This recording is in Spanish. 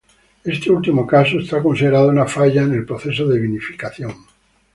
Este último caso es considerado una falla en el proceso de vinificación.